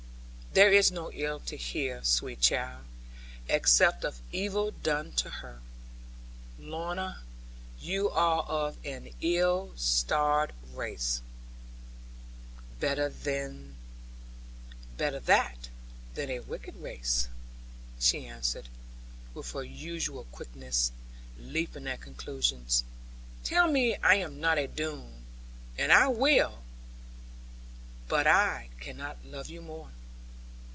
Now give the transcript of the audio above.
'There is no ill to hear, sweet child, except of evil done to her. Lorna, you are of an ill starred race.' 'Better that than a wicked race,' she answered with her usual quickness, leaping at conclusion; 'tell me I am not a Doone, and I will but I cannot love you more.'